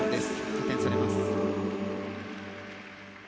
加点されます。